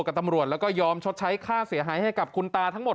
กับตำรวจแล้วก็ยอมชดใช้ค่าเสียหายให้กับคุณตาทั้งหมด